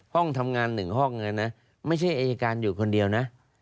ห้องทำงาน๑ห้องไม่ใช่อายการอยู่คนเดียวนะ